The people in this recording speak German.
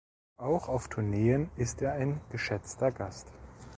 Auch auf Tourneen ist er ein geschätzter Gast.